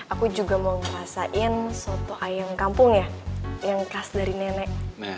aku juga mau ngerasain soto ayam kampung ya yang khas dari nenek